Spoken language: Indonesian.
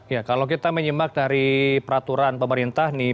ya kalau kita menyimak dari peraturan pemerintah nih